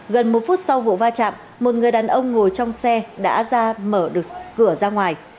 gần một phút sau vụ va chạm một người đàn ông ngồi trong xe đã ra mở được cửa ra ngoài